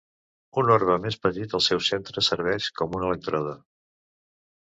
Un orbe més petit al seu centre serveix com un elèctrode.